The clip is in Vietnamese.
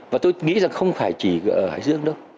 và tôi nghĩ rằng không phải chỉ ở hải dương đâu